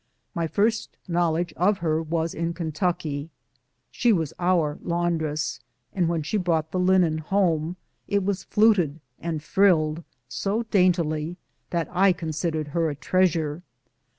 My first knowledge of her was in Kentucky. She was our laundress, and when she brought the linen home, it was fluted and frilled so daintily that I considered her a treasure.